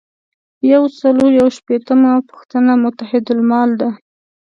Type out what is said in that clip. یو سل او یو شپیتمه پوښتنه متحدالمال ده.